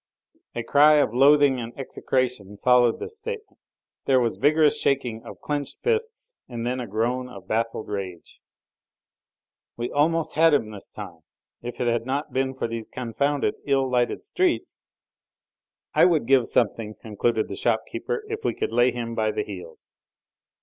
A cry of loathing and execration followed this statement. There was vigorous shaking of clenched fists and then a groan of baffled rage. "We almost had him this time. If it had not been for these confounded, ill lighted streets " "I would give something," concluded the shopkeeper, "if we could lay him by the heels."